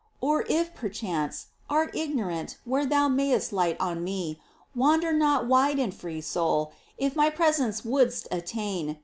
Or if, perchance, art ignorant Where thou mayst light on Me, Wander not wide and free, Soul, if My presence wouldst attain.